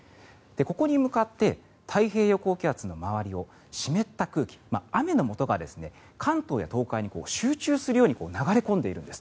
ここに向かって太平洋高気圧の周りを湿った空気、雨のもとが関東や東海に集中するように流れ込んでいるんです。